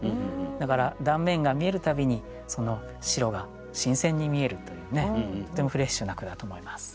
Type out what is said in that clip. だから断面が見える度に白が新鮮に見えるというねとてもフレッシュな句だと思います。